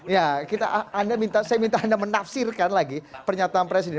ya saya minta anda menafsirkan lagi pernyataan presiden